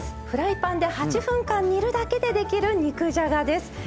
フライパンで８分間煮るだけでできる肉じゃがです。